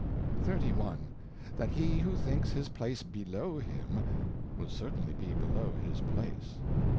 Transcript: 31. That he who thinks his Place below him, will certainly be below his Place.